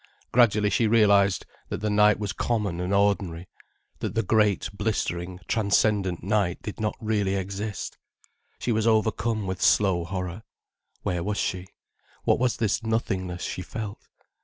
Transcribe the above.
Gradually she realized that the night was common and ordinary, that the great, blistering, transcendent night did not really exist. She was overcome with slow horror. Where was she? What was this nothingness she felt?